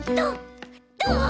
どう？